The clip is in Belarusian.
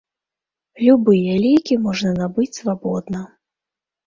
Любыя лекі можна набыць свабодна.